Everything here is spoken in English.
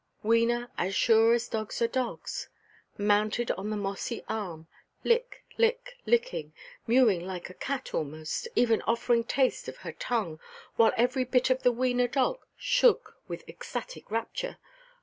Wena, as sure as dogs are dogs; mounted on the mossy arm, lick–lick–licking, mewing like a cat almost, even offering taste of her tongue, while every bit of the Wena dog shook with ecstatic rapture.